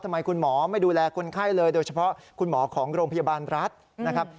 ทำไมคุณหมอไม่ดูแลคนไข้เลยโดยเฉพาะคุณหมอของโรงพยาบาลรัฐนะครับ